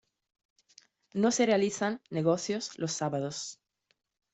No se realizan negocios los sábados.